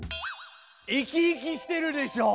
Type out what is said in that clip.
生き生きしてるでしょ！